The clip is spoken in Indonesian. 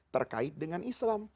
terkait dengan islam